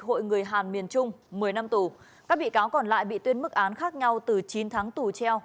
hội người hàn miền trung một mươi năm tù các bị cáo còn lại bị tuyên mức án khác nhau từ chín tháng tù treo